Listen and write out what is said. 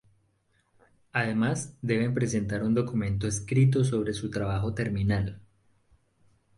Además deben presentar un documento escrito sobre su Trabajo Terminal.